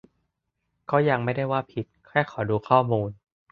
ก็ยังไม่ได้ว่าว่าผิด แค่ขอดูข้อมูล